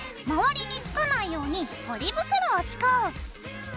周りにつかないようにポリ袋を敷こう。